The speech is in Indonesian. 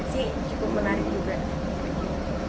cukup menarik juga